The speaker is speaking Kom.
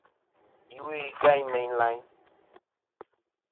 Iwo-i gayn meyn layn.